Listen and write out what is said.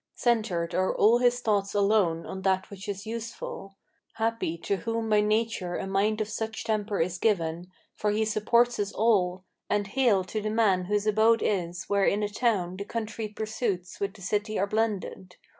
Centred are all his thoughts alone on that which is useful. Happy to whom by nature a mind of such temper is given, For he supports us all! And hail, to the man whose abode is Where in a town the country pursuits with the city are blended.